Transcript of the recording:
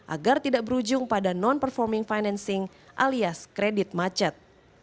agar tidak berujung pada non performing financing alias kredit macet